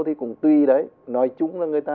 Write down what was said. thì cũng tùy đấy nói chung là người ta